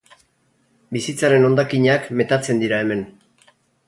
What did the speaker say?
Bizitzaren hondakinak metatzen dira hemen.